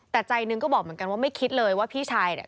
แต่ใจหนึ่งก็บอกเหมือนกันว่าไม่คิดเลยว่าพี่ชายเนี่ย